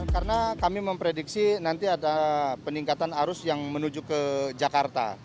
karena kami memprediksi nanti ada peningkatan arus yang menuju ke jakarta